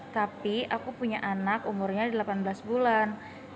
tapi aku punya anak umurnya delapan belas bulan